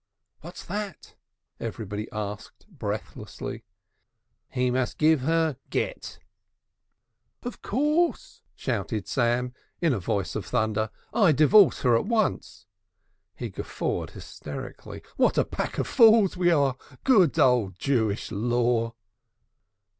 "What's that?" everybody asked breathlessly. "He must give her Gett!" "Of course!" shouted Sam in a voice of thunder. "I divorce her at once." He guffawed hysterically: "What a pack of fools we are! Good old Jewish law!"